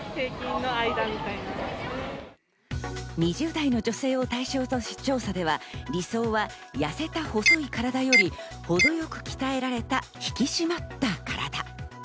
２０代の女性を対象とした調査では、理想としては痩せた体より程よく鍛えられた引き締まった体。